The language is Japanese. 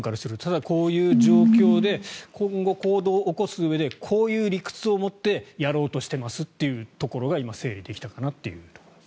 ただ、こういう状況で今後、行動を起こすうえでこういう理屈を持ってやろうとしてますってところが今、整理できたかなという。